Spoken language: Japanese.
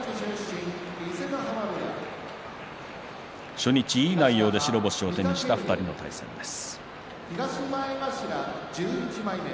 初日いい内容で白星を手にした２人の対戦です。